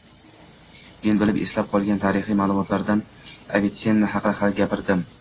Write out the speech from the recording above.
Men bilib, eslab qolgan tarixiy maʼlumotlardan Avitsenna haqida hali gapirmadim.